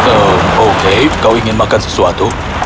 eh oke kau ingin makan sesuatu